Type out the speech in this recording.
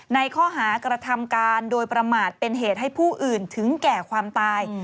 ในข้อหากระทำการโดยประมาทเป็นเหตุให้ผู้อื่นถึงแก่ความตาย